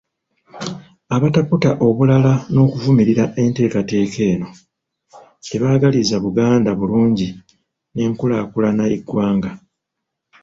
Abataputa obulala n'okuvumirira enteekateeka eno tebaagaliza Buganda bulungi n'enkulaakulana y'eggwanga.